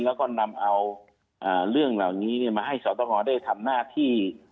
แล้วก็นำเอาเรื่องเหล่านี้มาให้สตงได้ทำหน้าที่